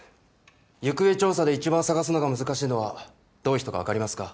行方調査で一番捜すのが難しいのはどういう人か分かりますか？